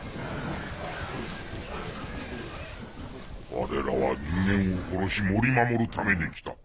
我らは人間を殺し森守るために来た。